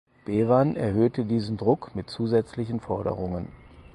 Bevan erhöhte diesen Druck mit zusätzlichen Forderungen.